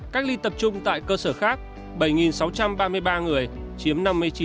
cách ly tập trung tại cơ sở khác bảy sáu trăm ba mươi ba người chiếm năm mươi chín